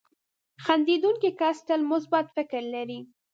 • خندېدونکی کس تل مثبت فکر لري.